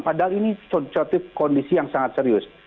padahal ini suatu kondisi yang sangat serius